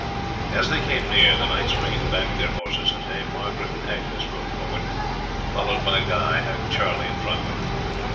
As they came near, the knights reined back their horses, and Dame Margaret and Agnes rode forward, followed by Guy having Charlie in front of him.